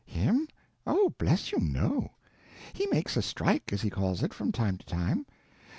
"Him? Oh, bless you, no. He makes a strike, as he calls it, from time to time.